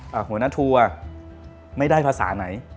หัวหน้าทัวร์ไม่ได้ภาษาไหน